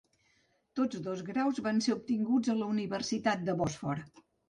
Tots dos graus van ser obtinguts a la Universitat del Bòsfor.